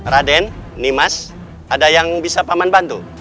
raden nimas ada yang bisa paman bantu